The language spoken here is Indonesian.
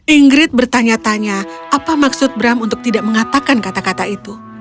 ingrid bertanya tanya apa maksud bram untuk tidak mengatakan kata kata itu